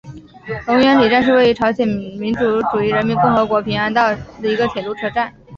龙源里站是位于朝鲜民主主义人民共和国平安南道价川市西南洞的一个铁路车站。